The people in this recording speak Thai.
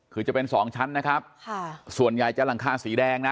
คือจะเป็นสองชั้นนะครับค่ะส่วนใหญ่จะหลังคาสีแดงนะ